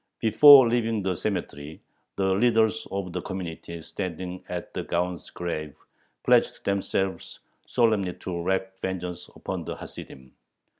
Before leaving the cemetery, the leaders of the community, standing at the Gaon's grave, pledged themselves solemnly to wreak vengeance upon the Hasidim.